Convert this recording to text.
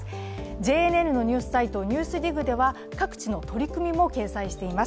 ＪＮＮのニュースサイト「ＮＥＷＳＤＩＧ」では、各地の取り組みも掲載しています。